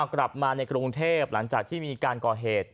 กลับมาในกรุงเทพหลังจากที่มีการก่อเหตุ